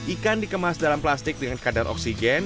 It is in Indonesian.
ikan dikemas dalam plastik dengan kadar oksigen